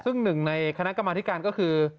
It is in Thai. ซึ่งหนึ่งในคณะกรรมธิการก็คือ